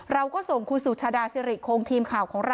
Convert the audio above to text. เราก็ส่งคุณสุชาดาสิริโครงทีมข่าวของเรา